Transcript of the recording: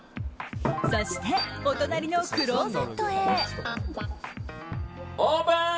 そしてお隣のクローゼットへ。